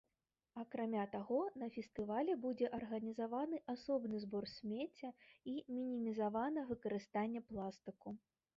Акрамя таго, на фестывалі будзе арганізаваны асобны збор смецця і мінімізавана выкарыстанне пластыку.